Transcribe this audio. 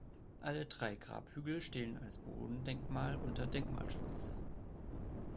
Alle drei Grabhügel stehen als Bodendenkmal unter Denkmalschutz.